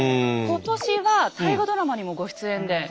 今年は大河ドラマにもご出演で。